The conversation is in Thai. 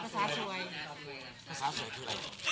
ภาษากูลภาษาชวย